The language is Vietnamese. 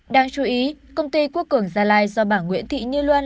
đáng chú ý công ty quốc cường gia lai do bà nguyễn thị như loan